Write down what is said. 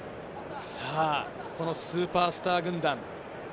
スーパースター軍団。